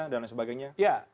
dan lain sebagainya